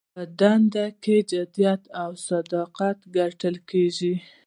په دنده کې جدیت او صداقت کتل کیږي.